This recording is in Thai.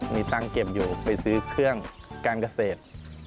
มีตังค์เก็บอยู่ไปซื้อเครื่องการเกษตร